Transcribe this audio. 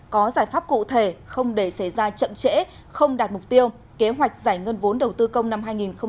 có giải pháp cụ thể không để xảy ra chậm trễ không đạt mục tiêu kế hoạch giải ngân vốn đầu tư công năm hai nghìn hai mươi